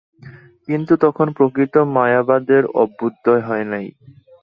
কিন্তু তখন প্রকৃত মায়াবাদের অভ্যুদয় হয় নাই।